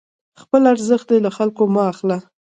خپل ارزښت دې له خلکو مه اخله،